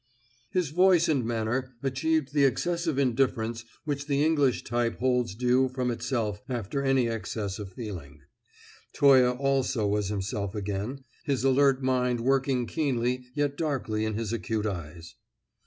His voice and manner achieved the excessive indifference which the English type holds due from itself after any excess of feeling. Toye also was himself again, his alert mind working keenly yet darkly in his acute eyes.